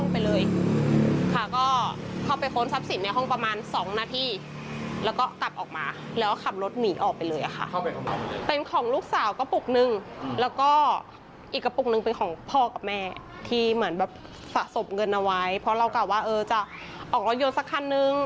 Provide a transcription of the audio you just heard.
เพราะเรากลับว่าเออจะออกรถยนต์สักคันหนึ่ง